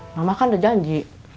mama kan udah janji